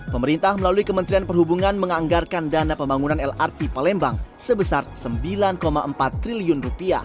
pemerintah melalui kementerian perhubungan menganggarkan dana pembangunan lrt palembang sebesar rp sembilan empat triliun